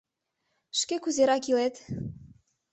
Шке кузерак илет?